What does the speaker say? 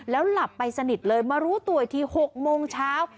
แล้วหลับไปสนิทเลยมารู้ตัวอีกที๖โมงเช้า